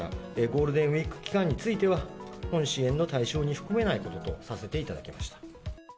ゴールデンウィーク期間については、本支援の対象に含めないこととさせていただきました。